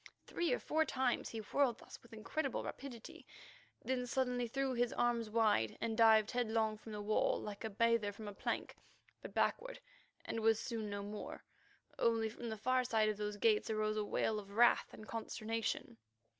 Three or four times he whirled thus with incredible rapidity, then suddenly threw his arms wide, and dived headlong from the wall like a bather from a plank, but backward, and was seen no more. Only from the farther side of those gates arose a wail of wrath and consternation.